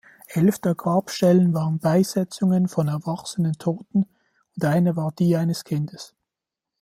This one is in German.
Elf der Grabstellen waren Beisetzungen von erwachsenen Toten und eine war die eines Kindes.